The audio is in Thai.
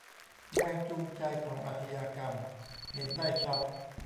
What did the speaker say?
แรงจูงใจของอาชญากรรมเห็นได้ชัด